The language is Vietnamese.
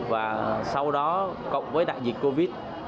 và sau đó cộng với đại dịch covid